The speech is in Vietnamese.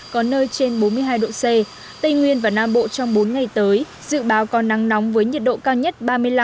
có nơi trên bốn mươi hai độ c tây nguyên và nam bộ trong bốn ngày tới dự báo có nắng nóng với nhiệt độ cao nhất